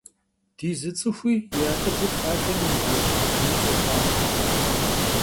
Di zı ts'ıxui yi akhılır fadem yimığeutxhujjınu soxhuaxhue!